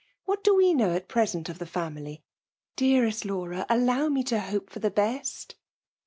What do we know at present of the faiii9y? Dearest Laura! aflow me to hope for the best